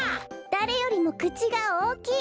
だれよりもくちがおおきい。